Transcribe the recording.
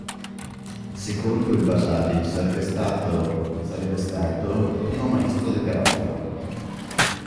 Secondo il Vasari sarebbe stato sarebbe stato il primo maestro del Garofalo.